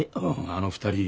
あの２人。